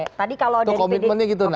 itu komitmennya gitu